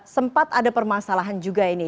sempat ada permasalahan juga ini